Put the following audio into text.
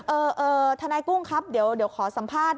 เอ่อทนายกุ้งครับเดี๋ยวขอสัมภาษณ์